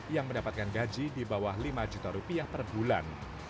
yang mendapatkan gaji di bawah rp lima per bulan